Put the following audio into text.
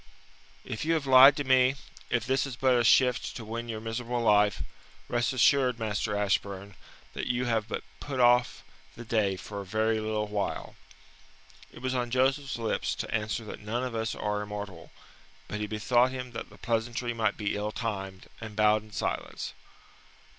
"If you have lied to me, if this is but a shift to win your miserable life, rest assured, Master Ashburn, that you have but put off the day for a very little while." It was on Joseph's lips to answer that none of us are immortal, but he bethought him that the pleasantry might be ill timed, and bowed in silence.